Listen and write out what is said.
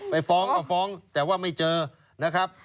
ไปฟ้องก็ฟ้องแต่ว่าไม่เจอนะครับ